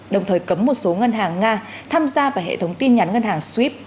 đồng thời cấm một số ngân hàng nga tham gia vào hệ thống tin nhắn ngân hàng sreap